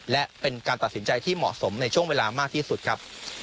และเป็นการตัดสินใจที่เหมาะสมในช่วงเวลามากที่สุดครับ